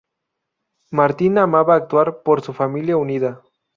Martin amaba actuar para su familia unida.